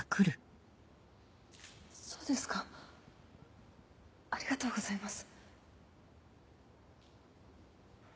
そうですかありがとうございます。